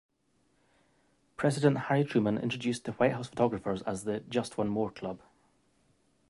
President Harry Truman introduced the White House photographers as the Just One More Club.